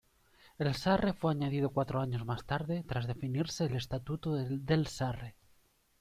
El Sarre fue añadido cuatro años más tarde tras definirse el Estatuto del Sarre.